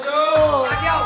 selamat siang om